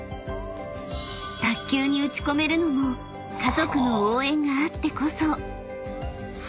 ［卓球に打ち込めるのも家族の応援があってこそ］